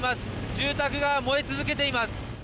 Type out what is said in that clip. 住宅が燃え続けています。